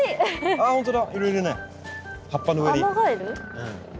あっ本当だ。